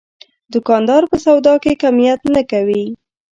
دوکاندار په سودا کې کمیت نه کوي.